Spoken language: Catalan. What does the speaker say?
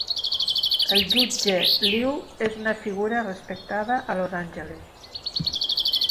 El jutge Lew és una figura respectada a Los Angeles.